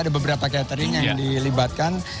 ada beberapa catering yang dilibatkan